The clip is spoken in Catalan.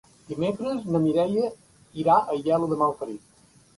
Dimecres na Mireia irà a Aielo de Malferit.